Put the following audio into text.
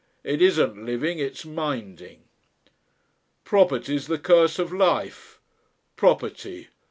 It isn't living it's minding.... "Property's the curse of life. Property!